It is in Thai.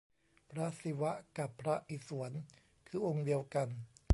พระศิวะกับพระอิศวรคือองค์เดียวกัน